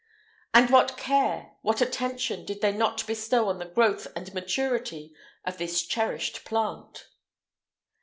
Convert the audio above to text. And what care, what attention, did they not bestow on the growth and maturity of this cherished plant!